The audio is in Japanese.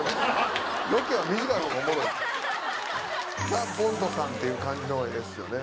「ザ・ボンドさん」っていう感じの絵ですよね。